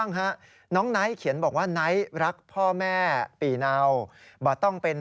นายรักทุกคนเนอะ